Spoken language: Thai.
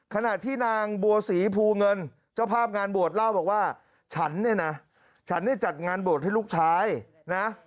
ขณะที่นางบัวศรีภูเงินเจ้าภาพงานบวชเล่าบอกว่าฉันเนี่ยนะฉันเนี่ยจัดงานบวชให้ลูกชายนะ